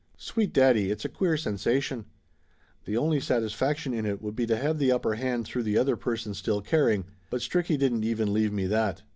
Sweet daddy, it's a queer sensation ! The only satis faction in it would be to have the upper hand through the other person still caring. But Stricky didn't even leave me that.